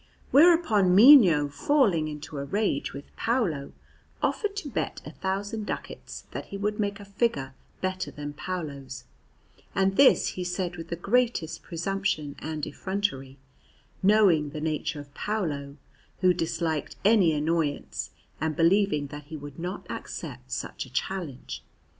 Whereupon Mino, falling into a rage with Paolo, offered to bet a thousand ducats that he would make a figure better than Paolo's; and this he said with the greatest presumption and effrontery, knowing the nature of Paolo, who disliked any annoyance, and believing that he would not accept such a challenge.